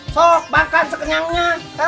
sok makan sekenyangnya